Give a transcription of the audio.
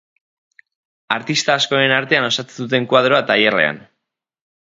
Artista askoren artean osatzen zuten kuadroa, tailerrean.